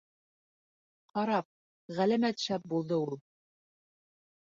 Харап, ғәләмәт шәп булды ул.